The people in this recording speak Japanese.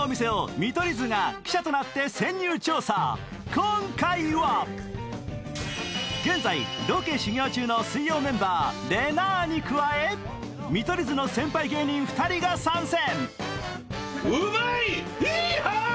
今回は現在ロケ修行中の水曜メンバーれなぁに加え見取り図の先輩芸人２人が参戦。